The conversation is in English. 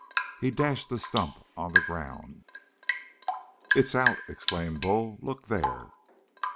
He dashed the stump on the ground. "It's out!" exclaimed Bull. "Look there!"